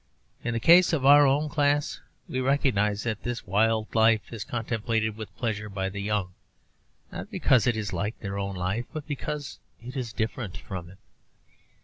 In the case of our own class, we recognise that this wild life is contemplated with pleasure by the young, not because it is like their own life, but because it is different from it.